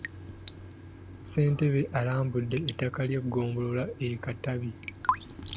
Ssentebe alambudde ettaka ly'eggombolola e Katabi.